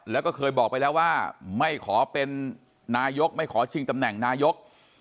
แล้วก็เคยบอกไปแล้วว่าไม่ขอเป็นนายกไม่ขอชิงตำแหน่งนายก